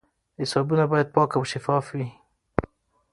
حسابونه باید پاک او شفاف وي.